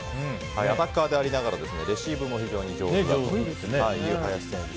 アタッカーでありながらレシーブも上手だという林選手。